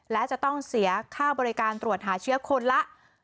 และจะต้องเสียค่าบริการตรวจหาเชื้อคนละ